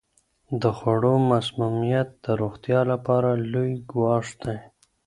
د خوړو مسمومیت د روغتیا لپاره لوی ګواښ دی.